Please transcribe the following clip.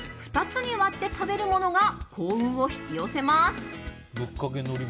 ２つに割って食べるものが幸運を引き寄せます。